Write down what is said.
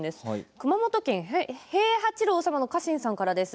熊本県の平八郎様の家臣さんからです。